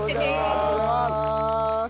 ありがとうございます！